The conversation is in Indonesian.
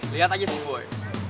lihat aja sih boy